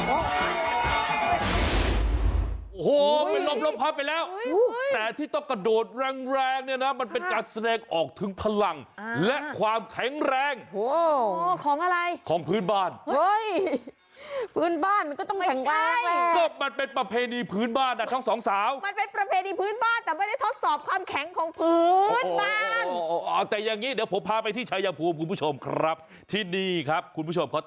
โอ้โหโอ้โหโอ้โหโอ้โหโอ้โหโอ้โหโอ้โหโอ้โหโอ้โหโอ้โหโอ้โหโอ้โหโอ้โหโอ้โหโอ้โหโอ้โหโอ้โหโอ้โหโอ้โหโอ้โหโอ้โหโอ้โหโอ้โหโอ้โหโอ้โหโอ้โหโอ้โหโอ้โหโอ้โหโอ้โหโอ้โหโอ้โหโอ้โหโอ้โหโอ้โหโอ้โหโอ้โหโ